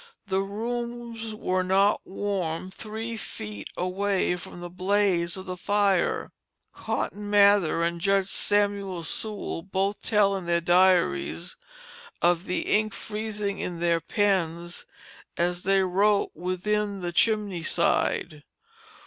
The rooms were not warm three feet away from the blaze of the fire. Cotton Mather and Judge Samuel Sewall both tell, in their diaries, of the ink freezing in their pens as they wrote within the chimney side.